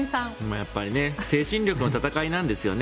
やっぱり精神力の戦いなんですよね。